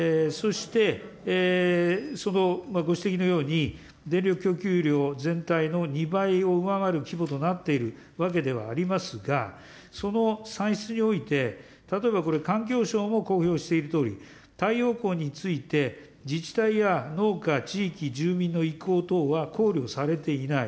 そして、そのご指摘のように、電力供給量全体の２倍を上回る規模となっているわけではありますが、その算出において、例えば、これ、環境省も公表しているとおり、太陽光について、自治体や農家、地域、住民の意向等は考慮されていない。